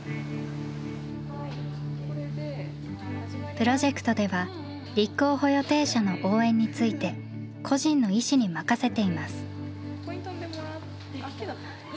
プロジェクトでは立候補予定者の応援について個人の意思に任せています。